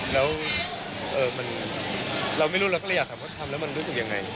แล้วเราไม่รู้เราก็เลยอยากถามว่าทำแล้วมันรู้สึกยังไง